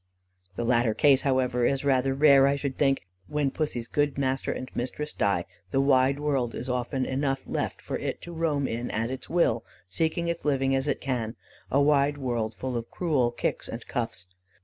The latter case, however, is rather rare I should think. When Pussy's good master and mistress die, the wide world is often enough left for it to roam in at its will, seeking its living as it can a wide world full of cruel kicks and cuffs.